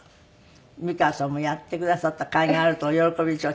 美川さんもやってくださったかいがあるとお喜びでしょう